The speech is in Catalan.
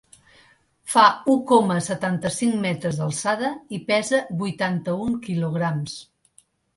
Fa u coma setanta-cinc metres d’alçada i pesa vuitanta-un quilograms.